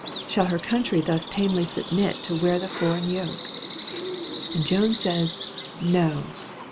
Shall her country thus tamely submit to wear the foreign yoke? And Joan says, No!